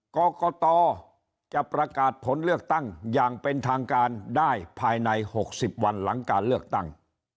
กรกตจะประกาศผลเลือกตั้งอย่างเป็นทางการได้ภายใน๖๐วันหลังการเลือกตั้ง